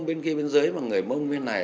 bên kia bên dưới và người mông bên này